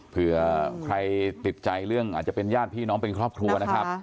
เผื่อใครติดใจเรื่องอาจจะเป็นญาติพี่น้องเป็นครอบครัวนะครับ